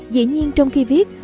dĩ nhiên trong khi viết